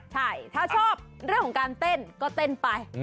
ใช่ถ้าชอบเรื่องของการเต้นก็เต้นไป